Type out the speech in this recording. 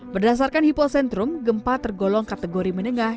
berdasarkan hipocentrum gempa tergolong kategori menengah